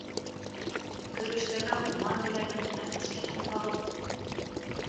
Көрөшкәгә урман еләген, мәтрүшкәһен һалып.